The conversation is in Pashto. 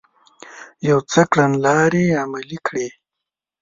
يو څه کړنلارې عملي کړې